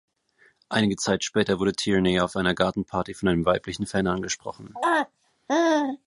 Einige Zeit später wurde Tierney auf einer Gartenparty von einem weiblichen Fan angesprochen.